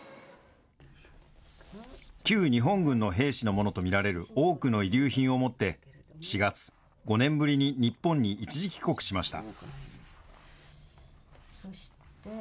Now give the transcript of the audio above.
旧日本軍の兵士のものと見られる多くの遺留品を持って、４月、５年ぶりに日本に一時帰国しました。